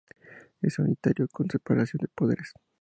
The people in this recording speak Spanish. Es unitario, con separación de Poderes.